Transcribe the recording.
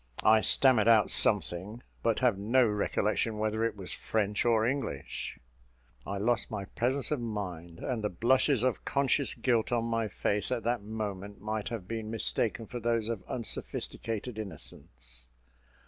I stammered out something, but have no recollection whether it was French or English. I lost my presence of mind, and the blushes of conscious guilt on my face at that moment, might have been mistaken for those of unsophisticated innocence.